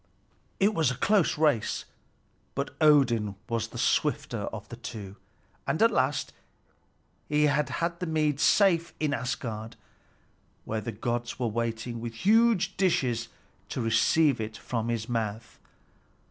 It was a close race; but Odin was the swifter of the two, and at last he had the mead safe in Asgard, where the gods were waiting with huge dishes to receive it from his mouth.